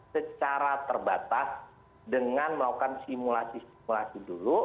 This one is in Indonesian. secara terbatas dengan melakukan simulasi simulasi dulu